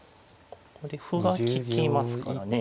ここで歩が利きますからね。